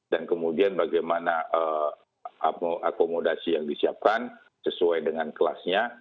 dan kemudian bagaimana akomodasi yang disiapkan sesuai dengan kelasnya